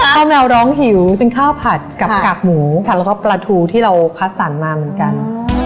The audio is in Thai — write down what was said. ข้าวแมวร้องหิวซึ่งข้าวผัดกับกากหมูค่ะแล้วก็ปลาทูที่เราคัดสรรมาเหมือนกัน